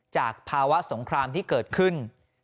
จากภาวะสงครามที่เกิดขึ้น